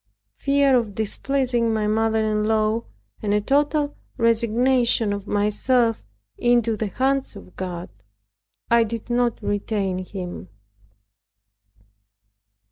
Fear of displeasing my mother in law, and a total resignation of myself into the hands of God, I did not retain him.